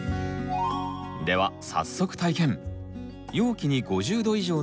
では早速体験。